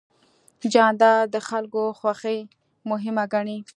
جانداد د خلکو خوښي مهمه ګڼي.